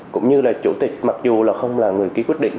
cũng như là chủ tịch mặc dù là không là người ký quyết định